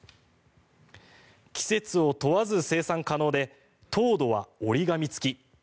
季節を問わず生産可能で糖度は折り紙付き。